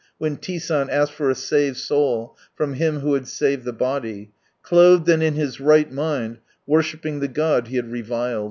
when T. San asked for a saved soul, from Him who had saved the body. Clothed and in his right mind, worshipping the God he had reviled.